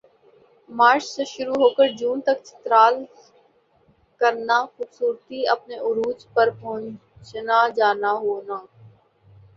مارچ سے شروع ہوکر جون تک چترال کرنا خوبصورتی اپنا عروج پر پہنچنا جانا ہونا